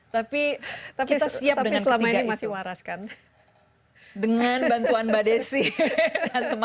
tapi kita siap dengan ketiga itu